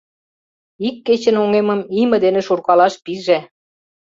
Ик кечын оҥемым име дене шуркалаш пиже.